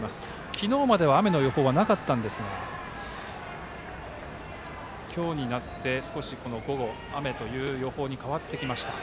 昨日までは雨の予報はなかったんですが今日になって少し午後雨という予報に変わりました。